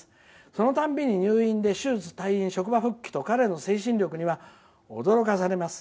そのたびに入院で手術退院、職場復帰と彼の精神力には驚かされます。